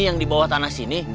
yang dibawa tanah sini